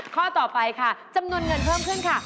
ข้อต่อไปค่ะจำนวนเงินเพิ่มขึ้นค่ะ